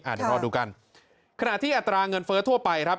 เดี๋ยวรอดูกันขณะที่อัตราเงินเฟ้อทั่วไปครับ